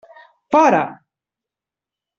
Fora!